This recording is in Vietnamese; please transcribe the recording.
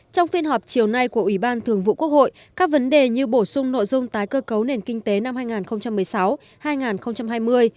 trong phiên họp chiều nay của ubthqh các vấn đề như bổ sung nội dung tái cơ cấu nền kinh tế năm hai nghìn một mươi sáu hai nghìn hai mươi